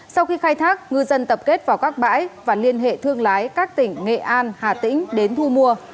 sau khi khai thác ngư dân tập kết vào các bãi và liên hệ thương lái các tỉnh nghệ an hà tĩnh đến thu mua